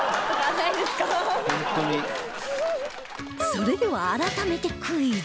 それでは改めてクイズ